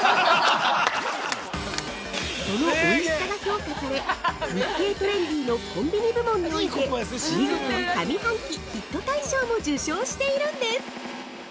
◆そのおいしさが評価され日経トレンディのコンビニ部門において見事、上半期ヒット大賞も受賞しているんです！